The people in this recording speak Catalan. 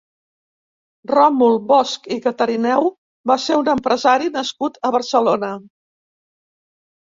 Ròmul Bosch i Catarineu va ser un empresari nascut a Barcelona.